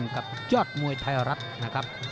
กับไฟรักครับ